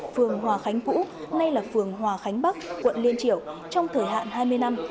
phường hòa khánh cũ nay là phường hòa khánh bắc quận liên triểu trong thời hạn hai mươi năm